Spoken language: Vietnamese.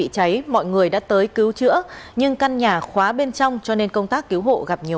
xin chào và hẹn gặp lại